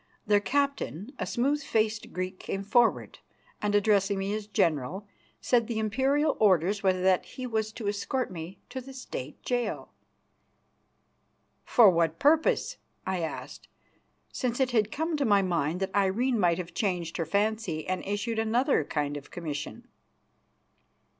Their captain, a smooth faced Greek, came forward, and, addressing me as "General," said the imperial orders were that he was to escort me to the State jail. "For what purpose?" I asked, since it came to my mind that Irene might have changed her fancy and issued another kind of commission.